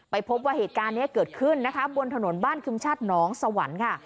พบว่าเหตุการณ์นี้เกิดขึ้นนะคะบนถนนบ้านคึมชัดน้องสวรรค์ค่ะ